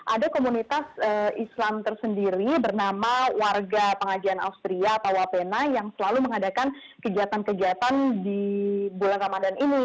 ada komunitas islam tersendiri bernama warga pengajian austria atau wapena yang selalu mengadakan kegiatan kegiatan di bulan ramadan ini